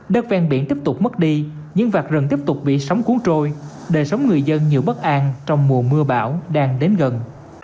đất ven biển tiếp tục mất đi những vạt rừng tiếp tục bị sóng cuốn trôi đời sống người dân nhiều bất an trong mùa mưa bão đang đến gần